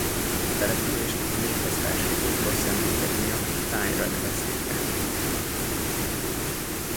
A települést a névhez társított rossz emlékek miatt Tye-ra nevezték át.